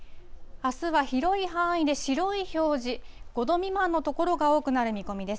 あすは広い範囲で白い表示、５度未満の所が多くなる見込みです。